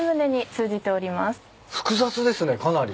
複雑ですねかなり。